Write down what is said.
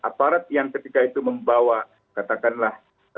aparat yang ketika itu membawa katakanlah